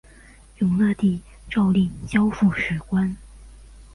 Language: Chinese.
永乐帝诏令交付史官。